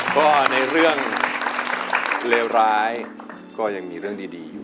ก็ในเรื่องเลวร้ายก็ยังมีเรื่องดีอยู่